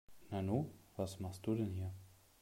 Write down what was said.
Nanu, was machst du denn hier?